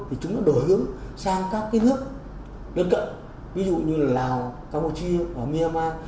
thì chúng đã đổi hướng sang các nước gần cận ví dụ như là lào campuchia myanmar